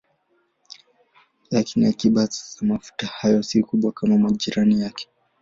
Lakini akiba za mafuta hayo si kubwa kama kwa majirani yake.